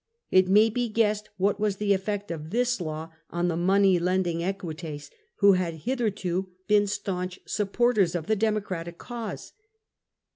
It may be guessed what was the effect of this law on the money lending Equites, who had hitherto been staunch supporters of the Demo cratic cause.